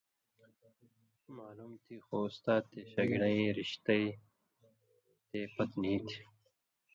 معلوم تھی خو اُستا تے شاگڑَیں رِشتَیں تے پتہۡ نی تھی